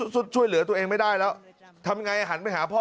ช่วยเหลือตัวเองไม่ได้แล้วทำยังไงหันไปหาพ่อ